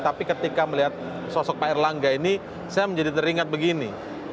tapi ketika melihat sosok pak erlangga ini saya menjadi teringat begini